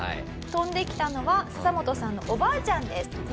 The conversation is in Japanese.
飛んできたのはササモトさんのおばあちゃんです。